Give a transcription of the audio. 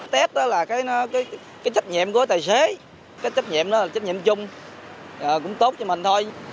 test đó là cái trách nhiệm của tài xế cái trách nhiệm đó là trách nhiệm chung cũng tốt cho mình thôi